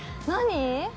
何？